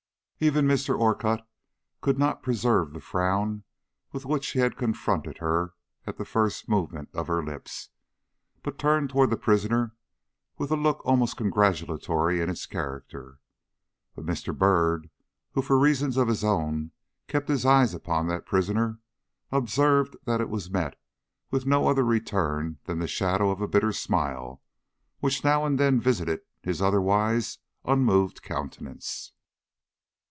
Even Mr. Orcutt could not preserve the frown with which he had confronted her at the first movement of her lips, but turned toward the prisoner with a look almost congratulatory in its character. But Mr. Byrd, who for reasons of his own kept his eyes upon that prisoner, observed that it met with no other return than that shadow of a bitter smile which now and then visited his otherwise unmoved countenance.